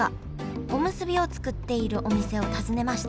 おむすびを作っているお店を訪ねました